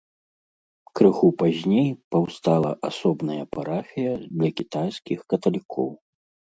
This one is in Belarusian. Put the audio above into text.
Крыху пазней паўстала асобная парафія для кітайскіх каталікоў.